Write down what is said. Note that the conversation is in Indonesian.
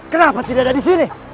kenapa tidak ada di sini